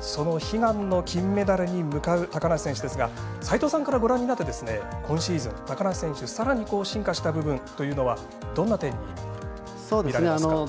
その悲願の金メダルに向かう高梨選手ですが齋藤さんからご覧になって今シーズン高梨選手さらに進化した部分というのはどんな点にみられますか？